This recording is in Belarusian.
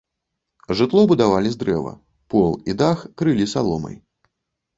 Жытло будавалі з дрэва, пол і дах крылі саломай.